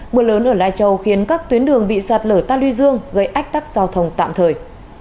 mưa lớn ở lai châu khiến các tuyến đường bị sạt lở ta luy dương gây ách tắc giao thông tạm thời